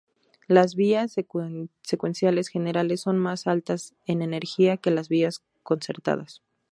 Las vías secuenciales generales son más altas en energía que las vías concertadas.